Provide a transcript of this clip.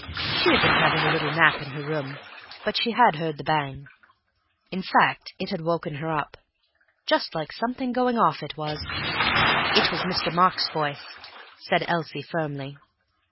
She had been having a little nap in her room, but she had heard the bang. In fact, it had woken her up—just like something going off, it was. "It was Mr. Mark's voice," said Elsie firmly.